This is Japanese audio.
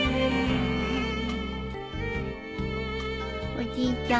おじいちゃん